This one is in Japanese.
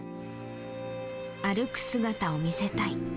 歩く姿を見せたい。